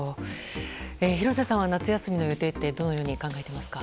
廣瀬さんは夏休みの予定ってどのように考えていますか。